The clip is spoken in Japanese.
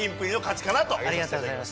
ありがとうございます。